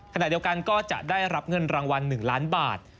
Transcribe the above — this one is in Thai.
ขณะเดียวกันก็จะได้รับเงินรางวัล๑ล้านบาท